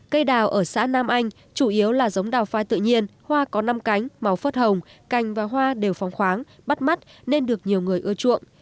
cây đào ở xã nam anh chủ yếu là giống đào phai tự nhiên hoa có năm cánh màu phớt hồng cành và hoa đều phóng khoáng bắt mắt nên được nhiều người ưa chuộng